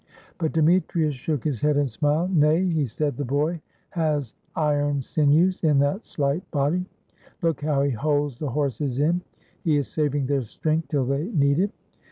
But Demetrius shook his head and smiled. "Nay," he said, "the boy has iron sinews in that slight body. Look how he holds the horses in! He is saving their strength till they need it.